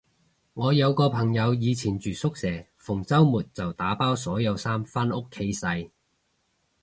我有個朋友以前住宿舍，逢周末就打包所有衫返屋企洗